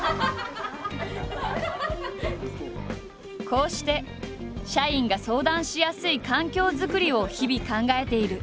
こうして社員が相談しやすい環境作りを日々考えている。